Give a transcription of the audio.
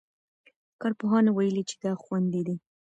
کارپوهانو ویلي چې دا خوندي دی.